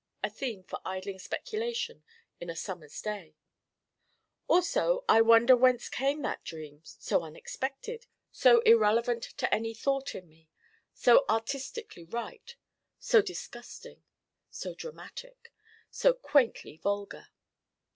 a theme for idling speculation in a summer's day Also I wonder whence came that dream: so Unexpected: so Irrelevant to any thought in me: so Artistically Right: so Disgusting: so Dramatic: so quaintly Vulgar.